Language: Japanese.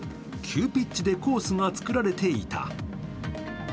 急ピッチでコースが作られていた。